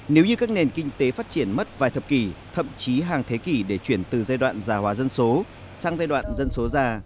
nếu như các nền kinh tế phát triển mất vài thập kỷ thậm chí hàng thế kỷ để chuyển từ giai đoạn già hóa dân số sang giai đoạn dân số già